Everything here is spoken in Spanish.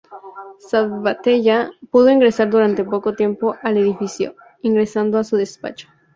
Sabbatella pudo ingresar durante poco tiempo al edificio, ingresando a su despacho.